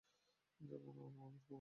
যেমন মানুষ মুভি দেখতে যায়, ঠিক আছে?